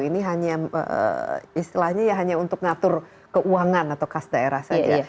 ini hanya istilahnya ya hanya untuk ngatur keuangan atau kas daerah saja